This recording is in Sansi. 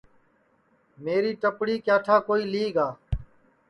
میری ٹپڑی کیا ٹھا کوئی لی گا